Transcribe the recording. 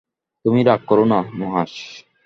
তুমি রাগ করো না নুহাশ।